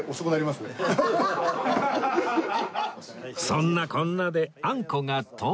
そんなこんなであんこが到着